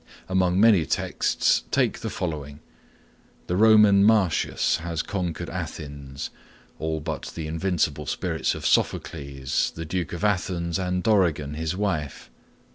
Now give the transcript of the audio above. Among many texts take the following. The Roman Martius has conquered Athens,—all but the invincible spirits of Sophocles, the duke of Athens, and Dorigen, his wife.